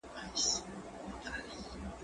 زه اوس کتابتوننۍ سره وخت تېرووم،